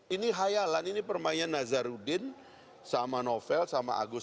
ini hayalan ini permainan nazarudin sama novel sama agus